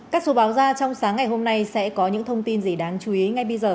các số báo ra trong sáng ngày hôm nay sẽ có những thông tin gì đáng chú ý ngay bây giờ